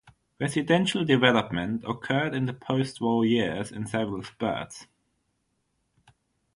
Residential development occurred in the postwar years in several spurts.